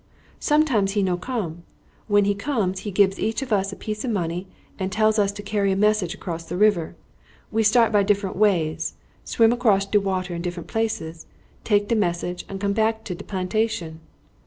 Sometimes he no come. When he come he gibs each of us a piece of money and tell us to carry a message across the river. We start by different ways, swim across de water in different places, take de message, and come back to de plantation."